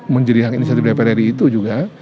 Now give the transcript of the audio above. menjadi hak inisiatif dpr ri itu juga